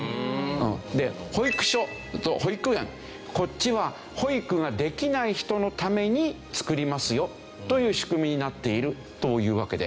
保育所と保育園こっちは保育ができない人のために作りますよという仕組みになっているというわけで。